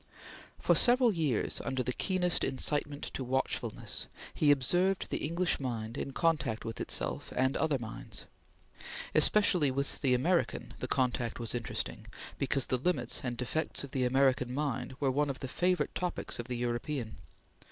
For several years, under the keenest incitement to watchfulness, he observed the English mind in contact with itself and other minds. Especially with the American the contact was interesting because the limits and defects of the American mind were one of the favorite topics of the European.